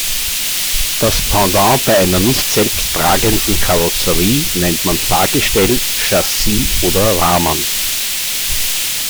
Das Pendant bei einer nicht selbsttragenden Karosserie nennt man Fahrgestell, Chassis oder Rahmen.